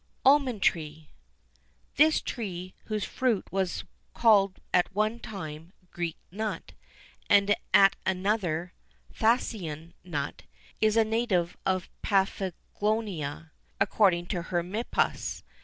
ALMOND TREE. This tree, whose fruit was called at one time "Greek Nut," and, at another, "Thasian Nut,"[XIV 1] is a native of Paphlagonia, according to Hermippus.